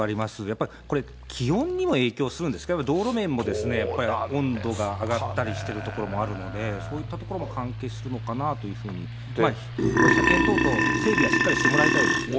やっぱりこれ、気温にも影響するんですか、道路面も温度が上がったりしているところもあるので、そういったところも関係するのかなというふうに、車検等々、整備はしっかりしてもらいたいですよね。